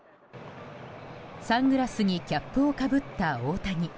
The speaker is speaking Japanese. サングラスにキャップをかぶった大谷。